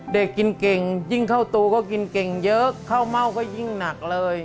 กินเก่งยิ่งเข้าตูก็กินเก่งเยอะข้าวเม่าก็ยิ่งหนักเลย